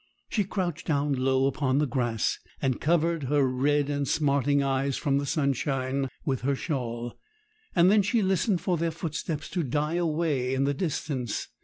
She crouched down low upon the grass, and covered her red and smarting eyes from the sunshine with her shawl, and then she listened for their footsteps to die away in the distance.